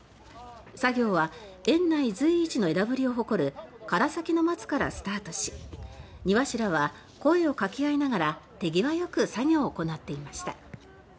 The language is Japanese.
作業は園内随一の枝ぶりを誇る「唐崎松」からスタートし庭師らは声を掛け合いながら手際よく作業を行っていました。